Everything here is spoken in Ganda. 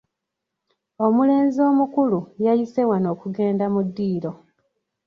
Omulenzi omukulu yayise wano okugenda mu ddiiro.